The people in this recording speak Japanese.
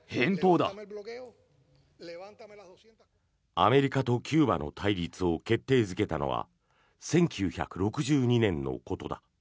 アメリカとキューバの対立を決定付けたのは１９６２年のことだ。